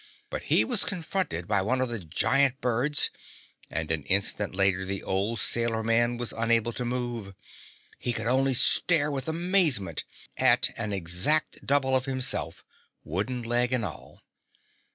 But he was confronted by one of the giant birds and an instant later the old sailor man was unable to move. He could only stare with amazement at an exact double of himself wooden leg and all.